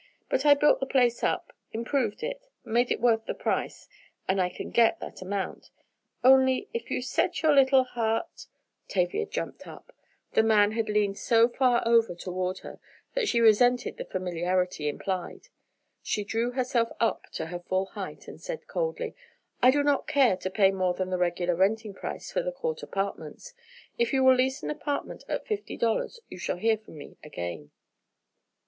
But I built the place up, improved it, made it worth the price, and I can get that amount. Only, if you've set your little heart——" Tavia jumped up. The man had leaned so far over toward her, that she resented the familiarity implied. She drew herself up to her full height and said coldly: "I do not care to pay more than the regular renting price for the Court Apartments. If you will lease an apartment at fifty dollars, you shall hear from me again."